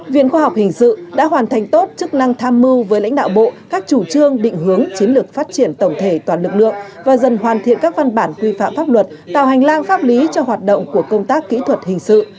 viện khoa học hình sự đã hoàn thành tốt chức năng tham mưu với lãnh đạo bộ các chủ trương định hướng chiến lược phát triển tổng thể toàn lực lượng và dần hoàn thiện các văn bản quy phạm pháp luật tạo hành lang pháp lý cho hoạt động của công tác kỹ thuật hình sự